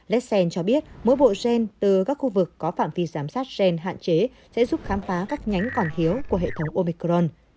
lessen cho biết mỗi bộ gen từ các khu vực có phạm vi giám sát gen hạn chế sẽ giúp khám phá các nhánh còn thiếu của hệ thống omicron